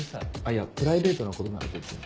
いやプライベートなことなら別に。